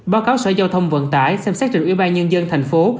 báo cáo sở giao thông vận tải xem xét trình ủy ban nhân dân thành phố